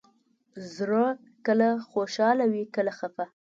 زړه کله خوشحاله وي، کله خفه.